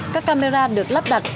các camera được lắp đặt